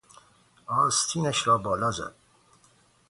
آستینش را بالا زد.